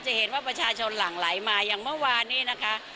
จะเห็นว่าประชาชนหลั่งไหลมาอย่างเมื่อวานนี้นะคะ